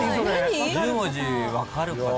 １０文字分かる方。